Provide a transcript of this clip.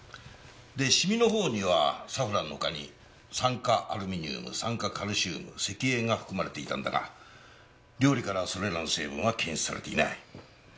でシミの方にはサフランのほかに酸化アルミニウム酸化カルシウム石英が含まれていたんだが料理からはそれらの成分は検出されていない。